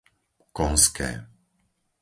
Konské